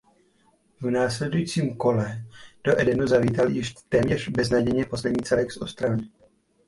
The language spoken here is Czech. V následujícím kole do Edenu zavítal již téměř beznadějně poslední celek z Ostravy.